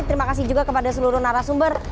terima kasih juga kepada seluruh narasumber